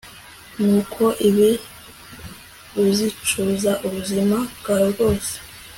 nukora ibi, uzicuza ubuzima bwawe bwose